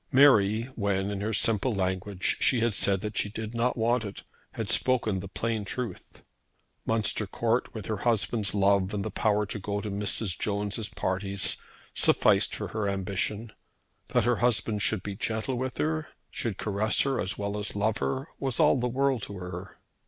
Mary, when, in her simple language, she had said that she did not want it, had spoken the plain truth. Munster Court, with her husband's love and the power to go to Mrs. Jones' parties, sufficed for her ambition. That her husband should be gentle with her, should caress her as well as love her, was all the world to her.